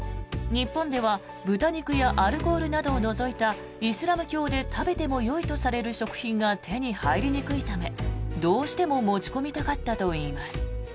日本では豚肉やアルコールなどを除いたイスラム教で食べてもよいとされる食品が手に入りにくいためどうしても持ち込みたかったといいます。